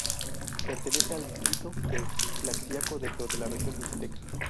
Pertenece al distrito de Tlaxiaco, dentro de la región Mixteca.